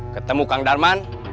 ketemu kang darman